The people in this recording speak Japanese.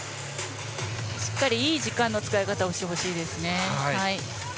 しっかりいい時間の使い方をしてほしいですね。